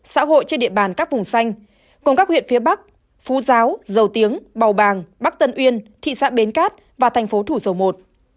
xã hội trên địa bàn các vùng xanh gồm các huyện phía bắc phú giáo dầu tiếng bào bàng bắc tân uyên thị xã bến cát và thành phố thủ dầu một